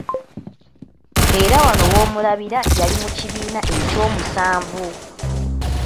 Era wano w'omulabira yali mu kibiina eky’omusanvu.